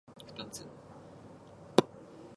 ぷよぷよするな！